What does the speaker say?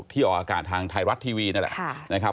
ที่ออกอากาศทางไทยรัสทีวีนั่นแหละ